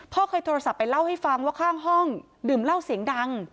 เคยโทรศัพท์ไปเล่าให้ฟังว่าข้างห้องดื่มเหล้าเสียงดัง